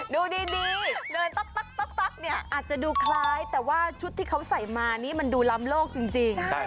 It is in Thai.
ดูดีอาจจะดูคล้ายแต่ว่าชุดที่เขาใส่มานี่มันดูล้ำโลกจริง